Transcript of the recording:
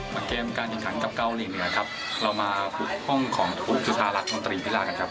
มาเกมการกินขันกับเกาหลีเหนือครับเรามาพุกห้องของทุกสุธารักดิ์มนตรีฟิลากันครับ